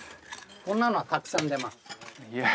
こんなのはたくさん出ますいや